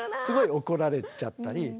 すごい怒られちゃったり。